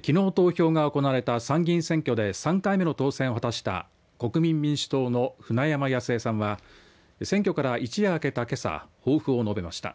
きのう投票が行われた参議院選挙で３回目の当選を果たした国民民主党の舟山康江さんは選挙から一夜明けたけさ抱負を述べました。